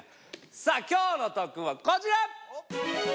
さあ今日の特訓はこちら！